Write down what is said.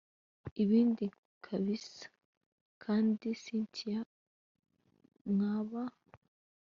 ibindi kabsa kandi cyntia mwaba